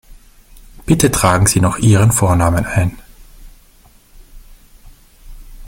Bitte tragen Sie noch Ihren Vornamen ein.